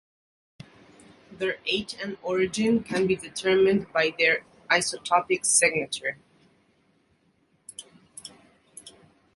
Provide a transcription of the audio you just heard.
Their age and origin can be determined by their isotopic signature.